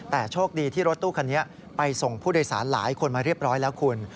แต่โชคดีที่รถตู้คันนี้ไปส่งผู้โดยสารหลายคนมาเรียบร้อยแล้วคุณ